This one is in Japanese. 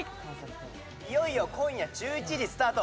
いよいよ今夜１１時スタート。